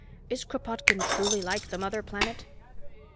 Is Kropotkin truly like the mother planet?"